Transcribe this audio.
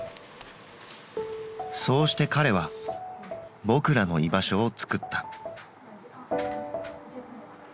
そうして彼はぼくらの居場所をつくった。